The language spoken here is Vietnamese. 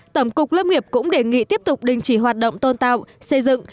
tổng cục lâm nghiệp cũng đề nghị tiếp tục đình chỉ hoạt động tôn tạo xây dựng